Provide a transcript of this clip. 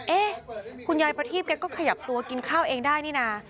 คุณยายประทีบแกก็ขยับตัวกินข้าวเองได้นี่นะ